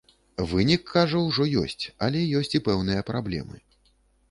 Вынік, кажа, ужо ёсць, але ёсць і пэўныя праблемы.